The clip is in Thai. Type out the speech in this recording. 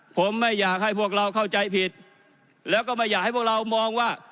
ผมไม่อยากให้พวกเราเข้าใจผิดแล้วก็ไม่อยากให้พวกเรามองว่า